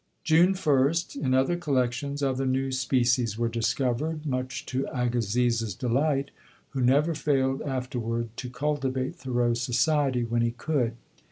June 1st, in other collections, other new species were discovered, much to Agassiz's delight, who never failed afterward to cultivate Thoreau's society when he could.